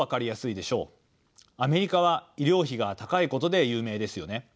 アメリカは医療費が高いことで有名ですよね。